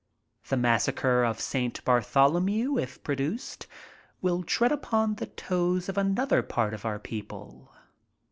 The Massacre of St. Bartholomew, if produced, will tread upon the toes of another part of our people.